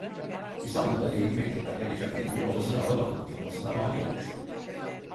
İstanbul’da leyli mekteplerde geçen ömrü, babasını adamakıllı tanımasına mâni olmuştu.